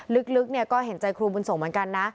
ลึกเนี่ยก็เห็นใจครูบุญสงฆ์เหมือนกันนะ